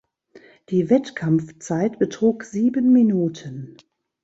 Die Wettkampfzeit betrug sieben Minuten.